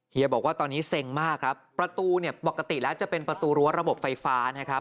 บอกว่าตอนนี้เซ็งมากครับประตูเนี่ยปกติแล้วจะเป็นประตูรั้วระบบไฟฟ้านะครับ